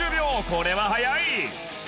これは早い！